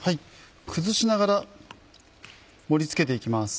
崩しながら盛り付けて行きます。